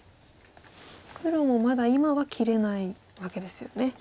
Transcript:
黒もまだ今は切れないわけですよね。